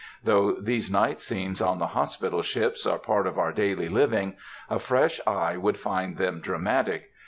Though these night scenes on the hospital ships are part of our daily living, a fresh eye would find them dramatic.